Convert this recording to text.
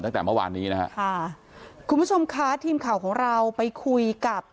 ตั้งแต่เมื่อวานนี้นะฮะค่ะคุณผู้ชมค่ะทีมข่าวของเราไปคุยกับ